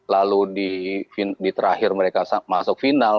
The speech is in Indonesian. lalu di terakhir mereka masuk final